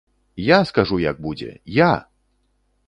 Я скажу, як будзе, я!